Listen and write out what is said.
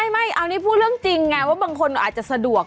ไม่เอานี่พูดเรื่องจริงไงว่าบางคนอาจจะสะดวก